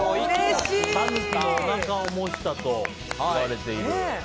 タヌキのおなかを模したといわれている。